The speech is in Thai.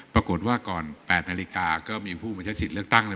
ปรากฏว่าก่อน๘นาฬิกาก็มีผู้มาใช้สิทธิ์เลือกตั้งเลย